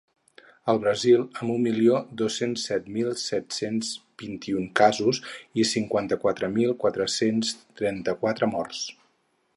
El Brasil, amb un milió dos-cents set mil set-cents vint-i-un casos i cinquanta-quatre mil quatre-cents trenta-quatre morts.